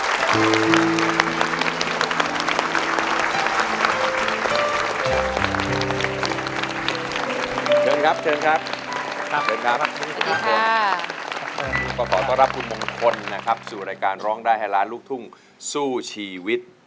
ขอต้อนรับคุณมงคลสู่รายการร้องได้ให้ล้านลูกทุ่งสู้ชีวิต